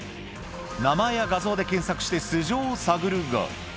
名前や画像で検索して、素性を探るが。